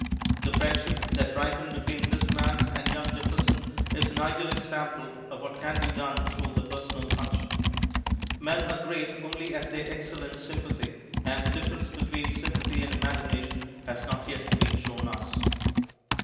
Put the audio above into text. The friendship that ripened between this man and young Jefferson is an ideal example of what can be done through the personal touch. Men are great only as they excel in sympathy; and the difference between sympathy and imagination has not yet been shown us.